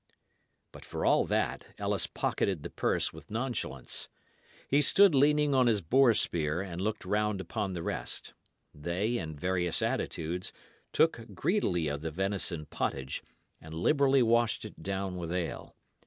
But, for all that, Ellis pocketed the purse with nonchalance. He stood leaning on his boar spear, and looked round upon the rest. They, in various attitudes, took greedily of the venison pottage, and liberally washed it down with ale.